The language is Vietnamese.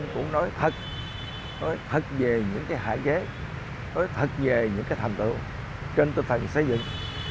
cũng nói thật nói thật về những cái hạ chế nói thật về những cái thành tựu trên tư phần xây dựng